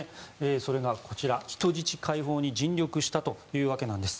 それが、こちら、人質解放に尽力したということなんです。